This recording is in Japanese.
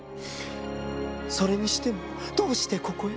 「それにしてもどうしてここへ？